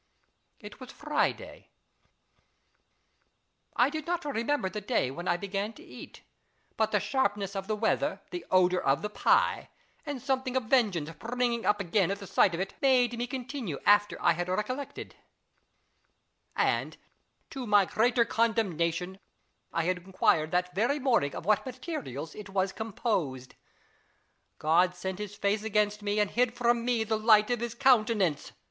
It was Friday. I did not remember the day when I began to eat ; but the sharpness of the weather, the odour of the pie, and something of vengeance springing up again at the sight of it, made me continue after I had recollected ; and, to my greater condemnation, I had inquired that very morning of what materials it was com posed. God set his face against me, and hid from me the light of his countenance.